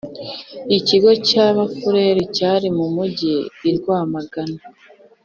ku kigo cy’abafurere cyari mu mugi i Rwamagana